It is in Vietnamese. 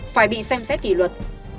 phải bị xem xét kỷ luật